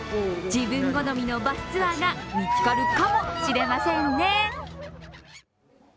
自分好みのバスツアーが見つかるかもしれませんね。